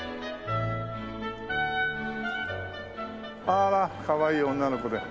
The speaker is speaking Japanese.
あらかわいい女の子で。